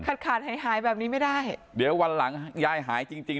ขาดขาดหายหายแบบนี้ไม่ได้เดี๋ยววันหลังยายหายจริงจริง